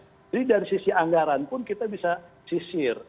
jadi dari sisi anggaran pun kita bisa sisir